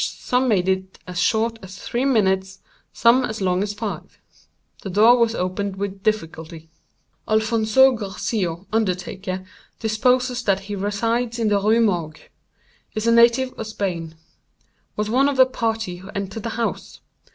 Some made it as short as three minutes—some as long as five. The door was opened with difficulty. "Alfonzo Garcio, undertaker, deposes that he resides in the Rue Morgue. Is a native of Spain. Was one of the party who entered the house.